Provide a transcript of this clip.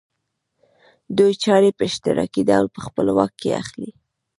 دوی چارې په اشتراکي ډول په خپل واک کې اخلي